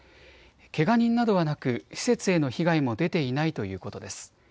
けが人などはなく施設への被害も出ていないということです。